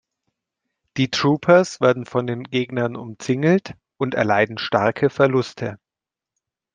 Die Troopers werden von den Gegnern umzingelt und erleiden starke Verluste.